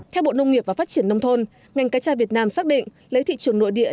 theo bộ nông nghiệp và phát triển nông thôn ngành cá tra việt nam xác định lấy thị trường nội địa